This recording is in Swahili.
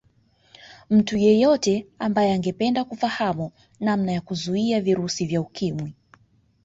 Mtu yeyote ambaye angependa kufahamu namna ya kuzuia virusi vya Ukimwi